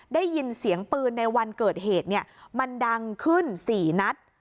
ได้ยินเสียงปืนในวันเกิดเหตุเนี่ยมันดังขึ้น๔นัด